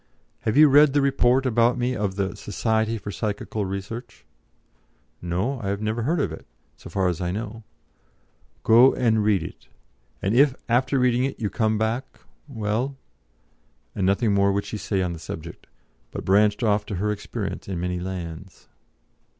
"Have you read the report about me of the Society for Psychical Research?" "No; I never heard of it, so far as I know." "Go and read it, and if, after reading it, you come back well." And nothing more would she say on the subject, but branched off to her experiences in many lands.